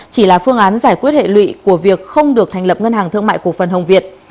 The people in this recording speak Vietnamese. chỉ là phương án giải quyết hệ lụy của việc không được thành lập ngân hàng thương mại cổ phần hồng việt